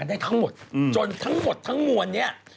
ได้ทั้งหมดจนทั้งหมดทั้งมวลเนี่ย